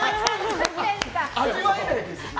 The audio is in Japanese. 味わえないです。